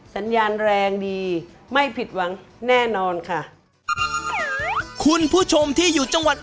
สัญญาณแรงดีไม่ผิดหวังแน่นอนค่ะ